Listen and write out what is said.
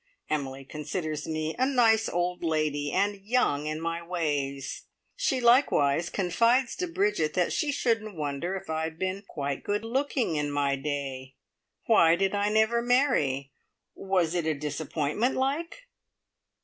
Emily considers me a "nice old lady, and young in my ways". She likewise confides to Bridget that she shouldn't wonder if I'd been quite good looking in my day. Why did I never marry? Was it a disappointment like?